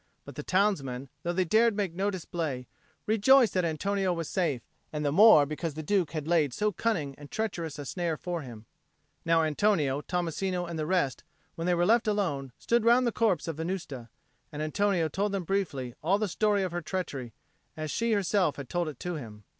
But the townsmen, though they dared make no display, rejoiced that Antonio was safe, and the more because the Duke had laid so cunning and treacherous a snare for him. Now Antonio, Tommasino, and the rest, when they were left alone, stood round the corpse of Venusta, and Antonio told them briefly all the story of her treachery as she herself had told it to him.